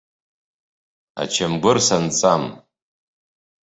Ачамгәыр санҵам.